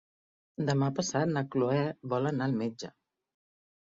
Demà passat na Cloè vol anar al metge.